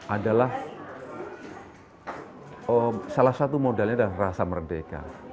adalah salah satu modalnya adalah rasa merdeka